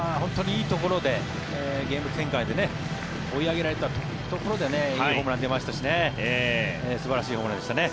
いいところで、ゲーム展開でね追い上げられたところでいいホームランが出ましたしね素晴らしいホームランでしたね。